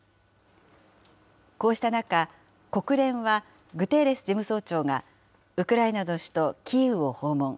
こうした中、国連はグテーレス事務総長が、ウクライナの首都キーウを訪問。